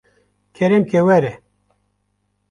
kerem ke were